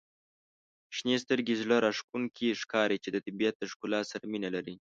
• شنې سترګي زړه راښکونکي ښکاري چې د طبیعت د ښکلا سره مینه لري.